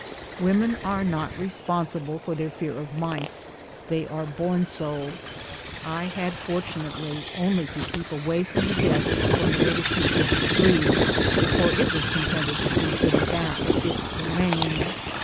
Women are not responsible for their fear of mice ; they are born so. I had fortu 246 BOOTS AND SADDLES. nately only to keep away from the desk when the little creature was free, for it was contented to consider that its domain.